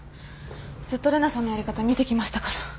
ずっと玲奈さんのやり方見てきましたから。